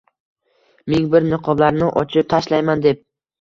Ming bir niqoblarini ochib tashlayman deb